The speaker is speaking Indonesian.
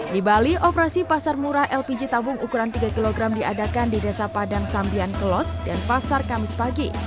di bali operasi pasar murah lpg tabung ukuran tiga kg diadakan di desa padang sambian kelot dan pasar kamis pagi